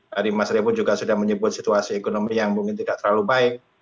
dari masa depan juga sudah menyebut situasi ekonomi yang mungkin tidak terlalu baik